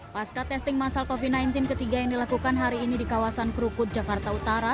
pasca testing masal covid sembilan belas ketiga yang dilakukan hari ini di kawasan krukut jakarta utara